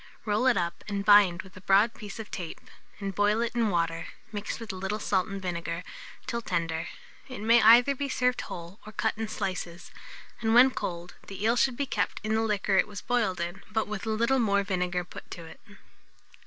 Roll it up and bind with a broad piece of tape, and boil it in water, mixed with a little salt and vinegar, till tender. It may either be served whole or cut in slices; and when cold, the eel should be kept in the liquor it was boiled in, but with a little more vinegar put to it.